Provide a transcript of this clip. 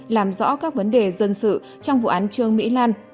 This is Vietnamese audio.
làm rõ các vấn đề dân sự trong vụ án trương mỹ lan